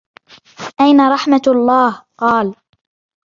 أَيْنَ رَحْمَةُ اللَّهِ ؟ قَالَ